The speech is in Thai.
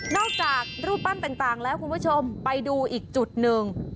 จากรูปปั้นต่างแล้วคุณผู้ชมไปดูอีกจุดหนึ่ง